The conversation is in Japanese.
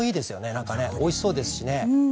なんか美味しそうですしね。